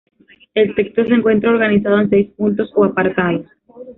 El texto se encuentra organizado en seis puntos o apartados.